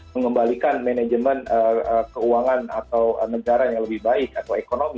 mengembalikan manajemen keuangan atau negara yang lebih baik atau ekonomi